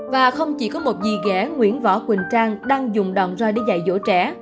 và không chỉ có một dì ghẻ nguyễn võ quỳnh trang đang dùng đòn roi để dạy dỗ trẻ